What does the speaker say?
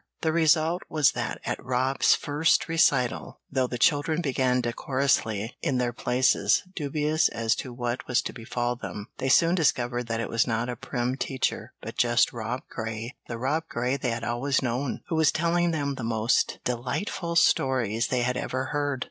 The result was that at Rob's first recital, though the children began decorously in their places, dubious as to what was to befall them, they soon discovered that it was not a prim teacher, but "just Rob Grey," the Rob Grey they had always known, who was telling them the most delightful story they had ever heard.